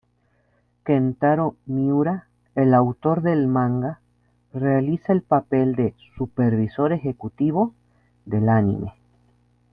Kentaro Miura, el autor del manga, realiza el papel de "supervisor ejecutivo" del anime.